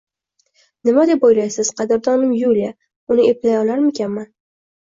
Nima deb oʻylaysiz, qadrdonim Yuliya, uni eplay olarmikanman?